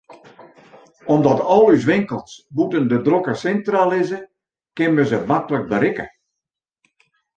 Omdat al ús winkels bûten de drokke sintra lizze, kin men se maklik berikke.